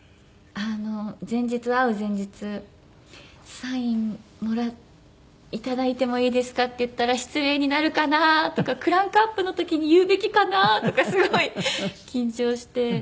前日会う前日「サイン頂いてもいいですか？」って言ったら失礼になるかなとかクランクアップの時に言うべきかなとかすごい緊張して。